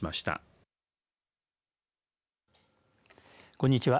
こんにちは。